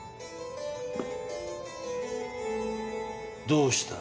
どうした？